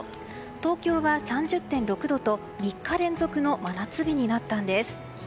東京は３０．６度と３日連続の真夏日になったんです。